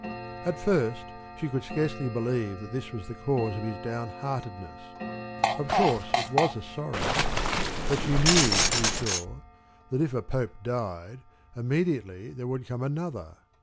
At first she could scarcely believe that this was the cause of his downheartedness. Of course it was a sorrow; but she knew, to be sure, that if a Pope died, immediately there would come another.